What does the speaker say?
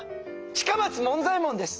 近松門左衛門です！